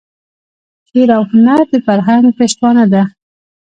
شعر او هنر د فرهنګ پشتوانه ده.